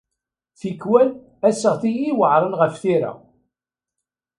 Tikwal aseɣti i iweɛren ɣef tira.